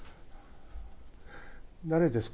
誰ですか？